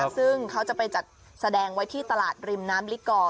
ซึ่งเขาจะไปจัดแสดงไว้ที่ตลาดริมน้ำลิกอร์